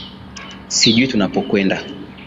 sijui tunapokwenda